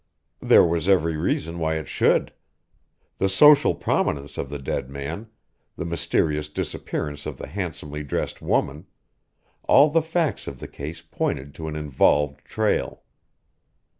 There was every reason why it should. The social prominence of the dead man, the mysterious disappearance of the handsomely dressed woman all the facts of the case pointed to an involved trail.